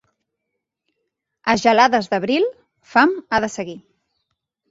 A gelades d'abril, fam ha de seguir.